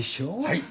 はい。